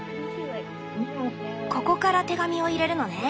ここから手紙を入れるのね。